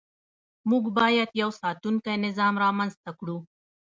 موږ باید یو ساتونکی نظام رامنځته کړو.